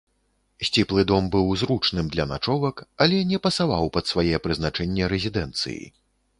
Сціплы дом быў зручным для начовак, але не пасаваў пад свае прызначэнне рэзідэнцыі.